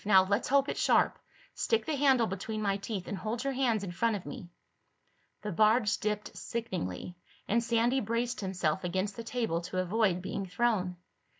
Now let's hope it's sharp. Stick the handle between my teeth and hold your hands in front of me." The barge dipped sickeningly and Sandy braced himself against the table to avoid being thrown.